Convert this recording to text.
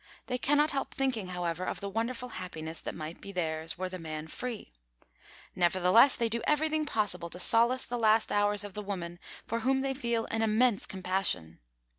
They cannot help thinking, however, of the wonderful happiness that might be theirs, were the man free; nevertheless, they do everything possible to solace the last hours of the woman for whom they feel an immense compassion.